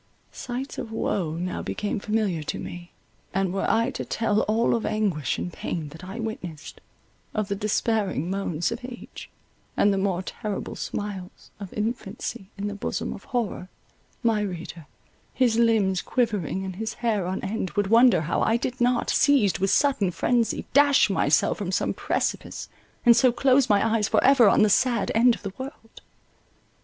Sights of woe now became familiar to me, and were I to tell all of anguish and pain that I witnessed, of the despairing moans of age, and the more terrible smiles of infancy in the bosom of horror, my reader, his limbs quivering and his hair on end, would wonder how I did not, seized with sudden frenzy, dash myself from some precipice, and so close my eyes for ever on the sad end of the world.